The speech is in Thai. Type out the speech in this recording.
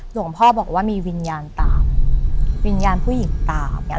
หลวงพ่อบอกว่ามีวิญญาณตามวิญญาณผู้หญิงตามอย่างเงี้